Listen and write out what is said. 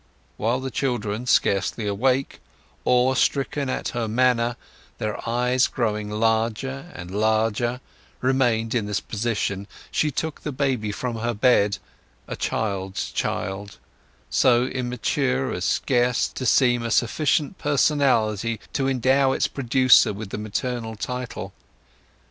While the children, scarcely awake, awe stricken at her manner, their eyes growing larger and larger, remained in this position, she took the baby from her bed—a child's child—so immature as scarce to seem a sufficient personality to endow its producer with the maternal title.